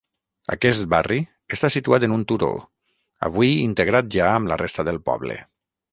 Aquest barri està situat en un turó, avui integrat ja amb la resta del poble.